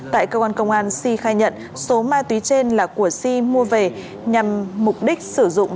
tại cơ quan công an si khai nhận số ma túy trên là của si mua về nhằm mục đích sử dụng